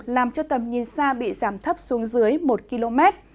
làm cho tầm nhìn xa bị giảm thấp xuống dưới một km